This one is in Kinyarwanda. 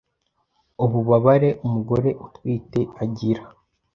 ububabare umugore utwite agira